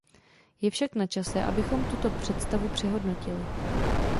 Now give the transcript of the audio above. Je však načase, abychom tuto představu přehodnotili.